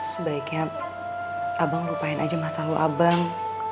sebaiknya abang lupakan saja masalahmu abang